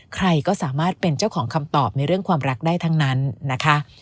ใครก็สามารถเป็นเจ้าของคำตอบในเรื่องความรักได้ทั้งนั้นนะคะ